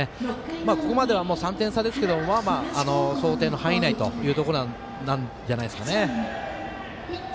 ここまでは３点差ですけれども想定の範囲内なんじゃないですかね。